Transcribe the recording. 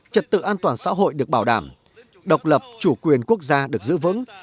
trật tự an toàn xã hội được bảo đảm độc lập chủ quyền quốc gia được giữ vững